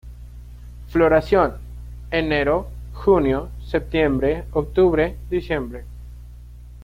Floración ene.-jun., sep.-oct., dic.